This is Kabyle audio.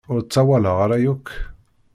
Ur ṭṭawaleɣ ara yakk.